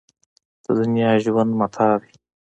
د دنیا ژوند متاع ده.